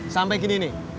sampai gini nih